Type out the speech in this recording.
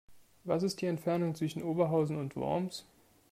Was ist die Entfernung zwischen Oberhausen und Worms?